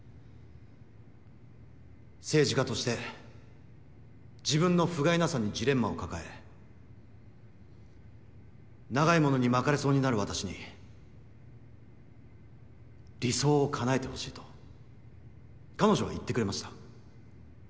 政治家として自分のふがいなさにジレンマを抱え長いものに巻かれそうになる私に「理想を叶えてほしい」と彼女は言ってくれました。